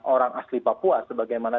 orang asli papua sebagaimana